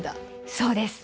そうです。